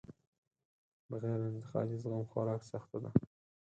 بغیر له انتقادي زغم خورا سخته ده.